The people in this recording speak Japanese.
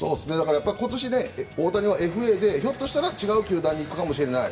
今年、大谷はＦＡでひょっとしたら違う球団に行くかもしれない。